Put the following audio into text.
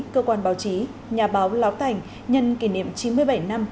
cơ quan báo chí nhà báo lão thành nhân kỷ niệm chín mươi bảy năm